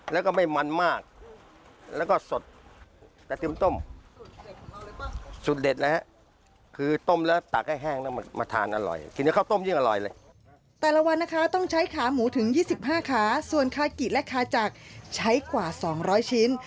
วันนะคะต้องใช้ขาหมูถึง๒๕ขาส่วนคากิและคาจักรใช้กว่า๒๐๐ชิ้น